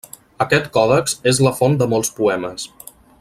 Aquest còdex és la font de molts poemes.